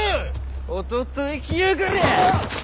おととい来やがれ！